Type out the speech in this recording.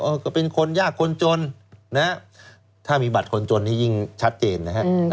ก็เป็นคนยากคนจนนะฮะถ้ามีบัตรคนจนนี่ยิ่งชัดเจนนะฮะ